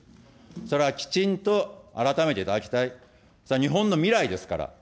それはきちんと改めていただきたい、それは日本の未来ですから。